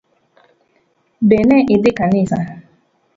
Be ne idhi kanisa?